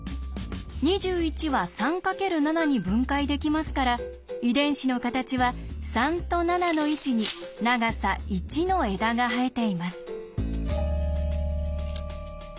２１は３×７に分解できますから遺伝子の形は３と７の位置に長さ１の枝が生えています。